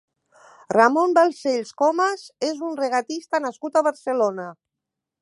Ramón Balcells Comas és un regatista nascut a Barcelona.